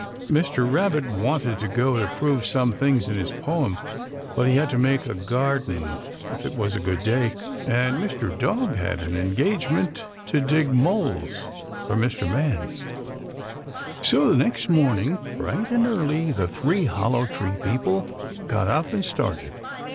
Mr. Rabbit wanted to go to prove some things in his poem, but he had to make a garden if it was a good day, and Mr. Dog had an engagement to dig moles for Mr. Man. [Illustration: SET OUT IN HIGH SPIRITS.] So the next morning, bright and early, the three Hollow Tree people got up and started.